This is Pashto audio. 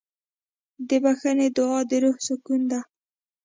د بښنې دعا د روح سکون ده.